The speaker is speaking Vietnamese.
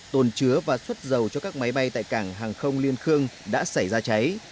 tồn chứa và xuất dầu cho các máy bay tại cảng hàng không liên khương đã xảy ra cháy